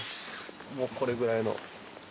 もうこれくらいの。